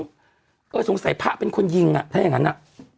เออสงสัยพระเป็นคนยิงอ่ะถ้าอย่างนั้นอ่ะ